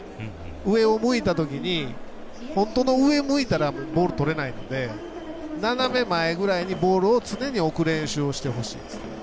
上を向いたときに本当の上に向いたらボールとれないので斜め前ぐらいにボールを常に置く練習をしてほしいですね。